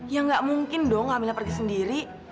ya gak mungkin dong kamila pergi sendiri